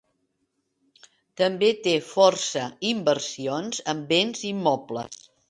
També té força inversions en bens immobles.